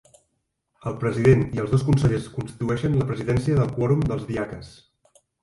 El president i els dos consellers constitueixen la presidència del quòrum dels diaques.